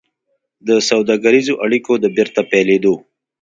د سوداګريزو اړيکو د بېرته پيلېدو